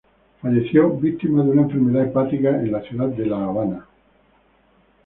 Falleció víctima de una enfermedad hepática en la ciudad de La Habana.